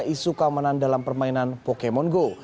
isu keamanan dalam permainan pokemon go